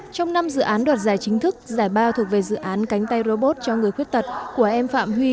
trong năm dự án đoạt giải chính thức giải ba thuộc về dự án cánh tay robot cho người khuyết tật của em phạm huy